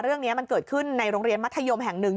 เรื่องนี้มันเกิดขึ้นในโรงเรียนมัธยมแห่งหนึ่ง